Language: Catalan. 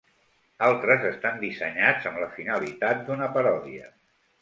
Altres estan dissenyats amb la finalitat d'una paròdia.